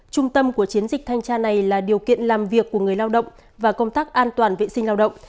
trung tâm của chiến dịch thanh tra này là điều kiện làm việc của người lao động và công tác an toàn vệ sinh lao động